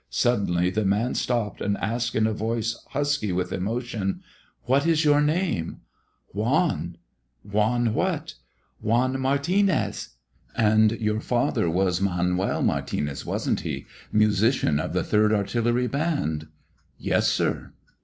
Suddenly the man stopped and asked in a voice husky with emotion, "What is your name?" "Juan." "Juan what?" "Juan Martínez." "And your father was Manuel Martínez, wasn't he, musician of the third artillery band?" "Yes, sir."